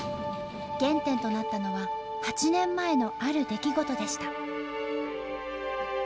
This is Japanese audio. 原点となったのは８年前のある出来事でした。